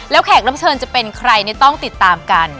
แขกรับเชิญจะเป็นใครต้องติดตามกัน